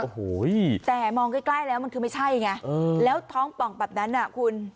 โอ้โหแต่มองใกล้แล้วมันคือไม่ใช่ไงแล้วท้องป่องแบบนั้นน่ะคุณ